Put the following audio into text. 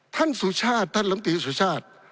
สุชาติท่านลำตีสุชาติ